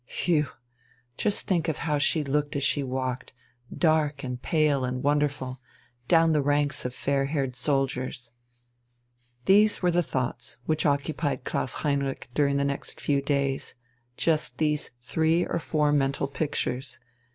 Phew! Just think of how she looked as she walked, dark and pale and wonderful, down the ranks of fair haired soldiers. These were the thoughts which occupied Klaus Heinrich during the next few days just these three or four mental pictures.